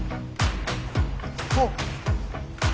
おっ！